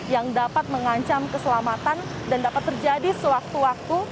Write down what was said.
yang dapat mengancam keselamatan dan dapat terjadi sewaktu waktu